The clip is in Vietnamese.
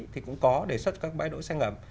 thì cũng có đề xuất các bãi đỗ xe ngầm